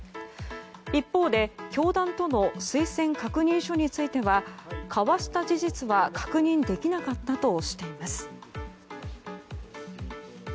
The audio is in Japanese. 一方で教団との推薦確認書については交わした事実は確認できなかったとしています。